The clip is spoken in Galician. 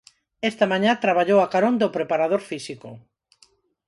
Esta mañá traballou a carón do preparador físico.